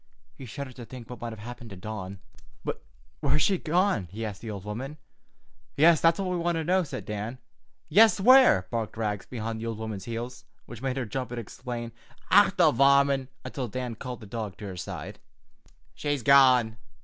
He shuddered to think what might have happened to Dawn. "But where has she gone?" he asked the old woman. "Yes, that's what we want to know," said Dan. "Yes, where!" barked Rags behind the old woman's heels, which made her jump and exclaim, "Och, the varmint!" until Dan called the dog to his side. "She's gone.